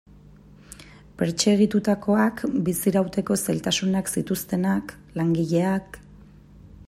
Pertsegitutakoak, bizirauteko zailtasunak zituztenak, langileak...